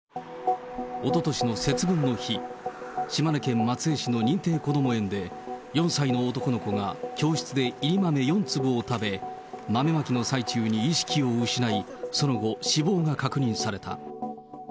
おととしの節分の日、島根県松江市の認定こども園で、４歳の男の子が教室でいり豆４粒を食べ、豆まきの最中に意識を失い、その後死亡が確認された。